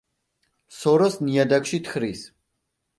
სოროს ნიადაგში თხრის.